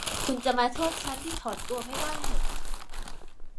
คุณจะมาโทษฉันที่ถอนตัวไม่ได้